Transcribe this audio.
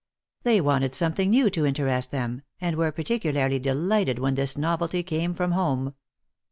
They wanted something new to interest them, and were particularly delighted when this novelty came from home.